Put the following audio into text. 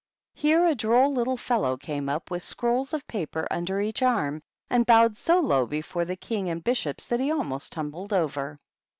Here a droll little fellow came up, with scrolls of paper under each arm, and bowed so low before the King and Bishops that he almost tumbled over.